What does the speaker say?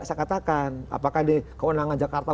saya katakan apakah di kewenangan jakarta